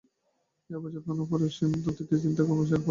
এই অবচেতন মনের অসীম সমুদ্র অতীতের চিন্তা ও কর্মরাশিতে পরিপূর্ণ।